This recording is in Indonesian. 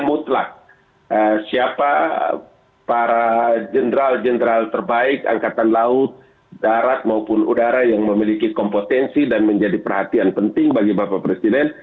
mutlak siapa para jenderal jenderal terbaik angkatan laut darat maupun udara yang memiliki kompetensi dan menjadi perhatian penting bagi bapak presiden